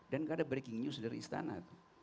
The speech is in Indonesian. dan gak ada breaking news dari istana